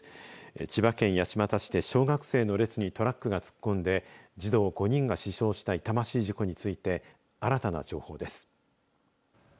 千葉県八街市で小学生の列にトラックが突っ込んで児童５人が死傷した痛ましい事故について新たな情報です。